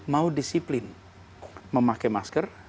mau disiplin memakai masker